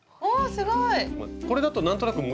すごい。